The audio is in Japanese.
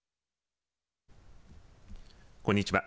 こんにちは。